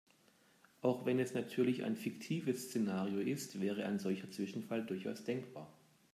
Auch wenn es natürlich ein fiktives Szenario ist, wäre ein solcher Zwischenfall durchaus denkbar.